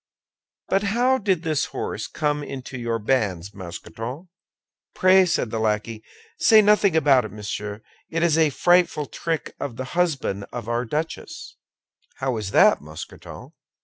But how did this horse come into your hands, Mousqueton?" "Pray," said the lackey, "say nothing about it, monsieur; it is a frightful trick of the husband of our duchess!" "How is that, Mousqueton?"